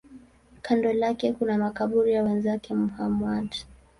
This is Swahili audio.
Kando lake kuna makaburi ya wenzake Muhammad.